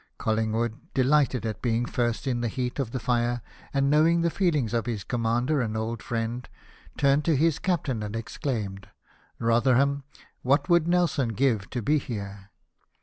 " CoUingwood, delighted at being first in the heat of the fire, and knowing the feelings of his commander and old friend, turned to his captain and exclaimed, " Eotherham, what would Nelson give to be here